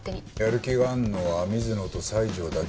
やる気があるのは水野と西条だけか。